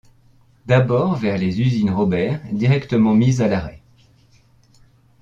D’abord vers les Usines Robert directement mises à l’arrêt.